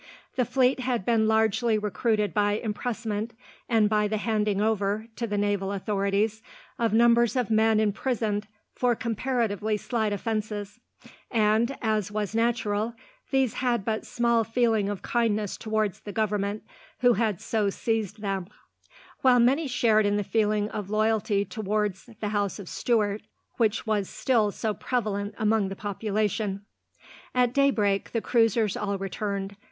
The fleet had been largely recruited by impressment; and by the handing over, to the naval authorities, of numbers of men imprisoned for comparatively slight offences; and, as was natural, these had but small feeling of kindness towards the government who had so seized them; while many shared in the feeling of loyalty towards the house of Stuart, which was still so prevalent among the population. At daybreak, the cruisers all returned.